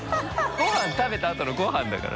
ごはん食べたあとのごはんだから。